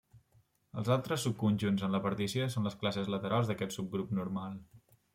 Els altres subconjunts en la partició són les classes laterals d'aquest subgrup normal.